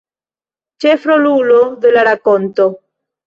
Ĉefrolulo de la rakonto.